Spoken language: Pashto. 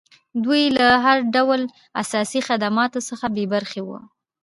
دوی له هر ډول اساسي خدماتو څخه بې برخې وو.